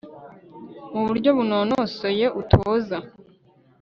mu buryo bunonosoye utoza